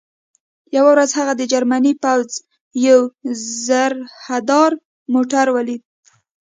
یوه ورځ هغې د جرمني پوځ یو زرهدار موټر ولید